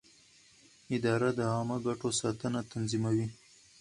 اداره د عامه ګټو ساتنه تضمینوي.